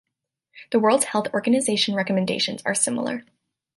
The World Health Organization recommendations are similar.